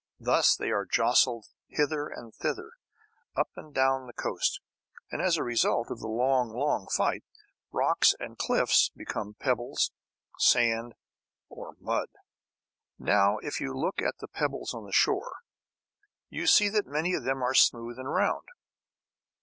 Thus they are jostled hither and thither, up and down the coast; and, as a result of the long, long fight, rocks and cliffs become pebbles, sand, or mud. Now if you look at the pebbles on the shore you see that many of them are smooth and round.